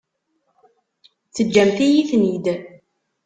Teǧǧamt-iyi-ten-id.